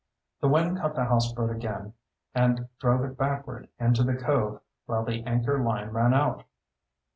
The wind caught the houseboat again and drove it backward into the cove while the anchor line ran out.